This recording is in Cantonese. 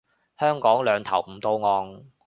香港兩頭唔到岸